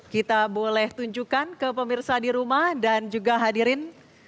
kita boleh tunjukkan ke pemirsa di rumah dan juga hadirin